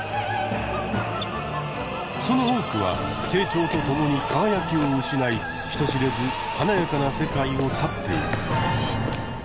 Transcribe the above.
その多くは成長とともに輝きを失い人知れず華やかな世界を去っていく。